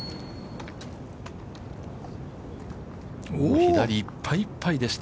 左いっぱいいっぱいでした。